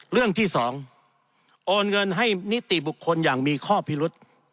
เรื่องที่๒โอนเงินให้นิติบุคคลอย่างมีข้อพิรุษ